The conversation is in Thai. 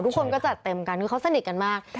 ทุกคนก็จัดเต็มกันคือเขาสนิทกันมาก